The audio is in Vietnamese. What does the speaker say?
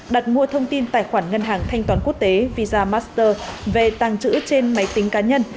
đặt mua thông tin tài khoản ngân hàng thanh toán quốc tế visa master về tàng trữ trên máy tính cá nhân